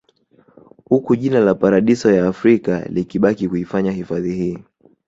Uku jina la paradiso ya Afrika likibaki kuifanya hifadhi hii